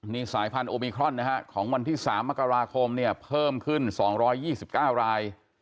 นี่สายพันธุ์โอเมครอนของวันที่๓อกราคมเพิ่มขึ้น๒๒๙ราย